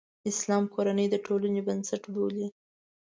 اسلام کورنۍ د ټولنې بنسټ بولي.